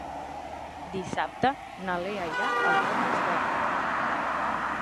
Dissabte na Lea irà al Pont de Suert.